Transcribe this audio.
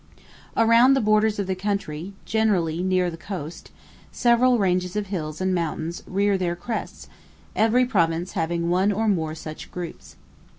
Around the borders of the country, generally near the coast, several ranges of hills and mountains rear their crests, every Province having one or more such groups.